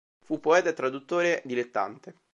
Fu poeta e traduttore dilettante.